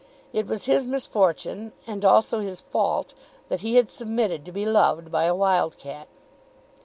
It was his misfortune, and also his fault, that he had submitted to be loved by a wild cat.